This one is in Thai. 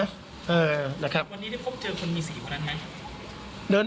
วันนี้ได้พบเจอคนมีสีวันนั้นไหม